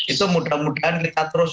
itu mudah mudahan kita terus